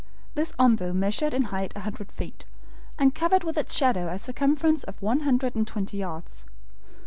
This OMBU measured in height a hundred feet, and covered with its shadow a circumference of one hundred and twenty yards.